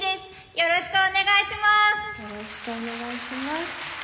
よろしくお願いします。